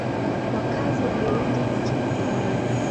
Wakazi walio wengi ni Wakikuyu.